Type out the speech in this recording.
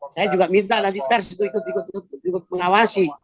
saya juga minta nanti pers itu ikut ikut mengawasi